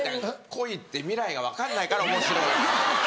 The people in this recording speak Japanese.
恋って未来が分かんないからおもしろいのよ。